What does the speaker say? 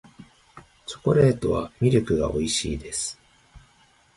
チョコレートはミルクが美味しいです